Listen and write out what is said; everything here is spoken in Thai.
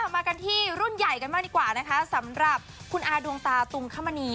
มากันที่รุ่นใหญ่กันมากดีกว่านะคะสำหรับคุณอาดวงตาตุงคมณี